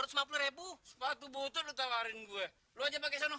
sepatu butuh lo tawarin gue lo aja pake sana